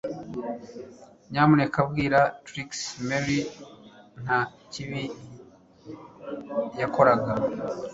Nyamuneka bwira Trix Mary nta kibi yakoraga